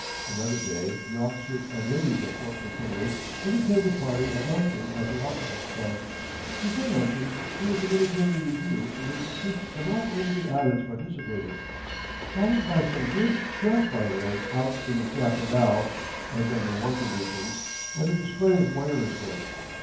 Another day the officers and ladies at Fort McKinley entertained the party at luncheon at the Officers' Club. Before luncheon there was a military review in which the troops from all over the islands participated, followed by some good shell firing out in the chaparral, as under war conditions, and a display of wireless work.